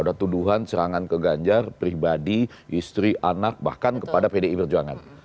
ada tuduhan serangan ke ganjar pribadi istri anak bahkan kepada pdi perjuangan